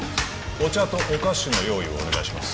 お茶とお菓子の用意をお願いします